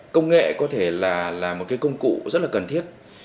công nghệ có thể là một cái công cụ rất là cần thiết